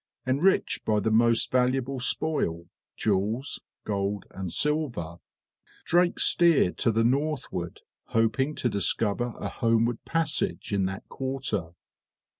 Enriched by the most valuable spoil, jewels, gold, and silver, Drake steered to the northward, hoping to discover a homeward passage in that quarter.